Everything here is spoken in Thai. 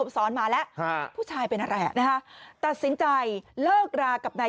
สอนมาแล้วฮะผู้ชายเป็นอะไรอ่ะนะฮะตัดสินใจเลิกรากับนาย